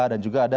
dan juga ada